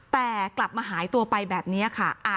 แต่กลับมาหายตัวไปแบบนี้ค่ะ